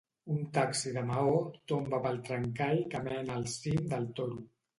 Un taxi de Maó tomba pel trencall que mena al cim del Toro.